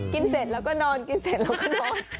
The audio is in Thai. เสร็จแล้วก็นอนกินเสร็จแล้วก็นอน